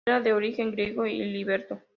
Era de origen griego y liberto.